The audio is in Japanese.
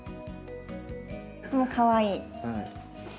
これもかわいい。